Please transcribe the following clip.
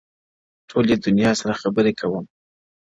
o ټولي دنـيـا سره خــبري كـــوم،